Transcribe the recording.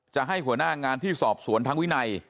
จะให้หัวหน้างานที่สอบสวนทางวินัย